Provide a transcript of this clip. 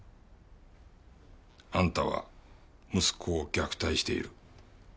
あんたは息子を虐待している。